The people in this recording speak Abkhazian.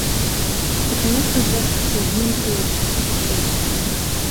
Сыкнаҳага сазнымкылт, иԥҵәеит!